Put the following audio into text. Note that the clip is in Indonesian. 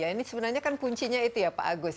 ini sebenarnya kan kuncinya itu ya pak agus